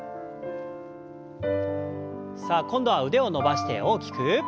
さあ今度は腕を伸ばして大きく。